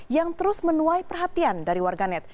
yang terus menuai perhatian dari warganet